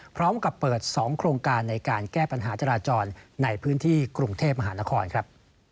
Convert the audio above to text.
พร้อมกับเปิด๒โครงการในการแก้ปัญหาจราจรในพื้นที่กรุงเทพมหานครครับ